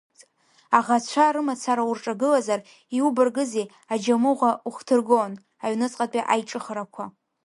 Аӷацәа рымацара урҿагылазар, иубаргызи, аџьамыӷәа ухҭыргон аҩныҵҟатәи аиҿыхарақәа.